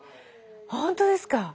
ほんとですか。